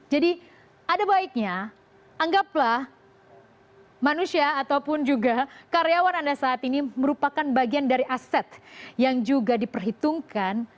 jadi ada baiknya anggaplah manusia ataupun juga karyawan anda saat ini merupakan bagian dari aset yang juga diperhitungkan